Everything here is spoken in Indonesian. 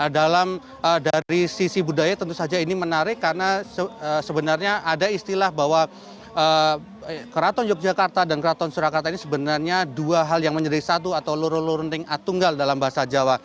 dalam dari sisi budaya tentu saja ini menarik karena sebenarnya ada istilah bahwa keraton yogyakarta dan keraton surakarta ini sebenarnya dua hal yang menjadi satu atau luru lurunding tunggal dalam bahasa jawa